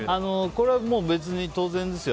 これは別に当然ですよ